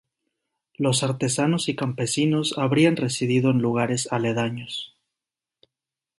Los artesanos y campesinos habrían residido en lugares aledaños.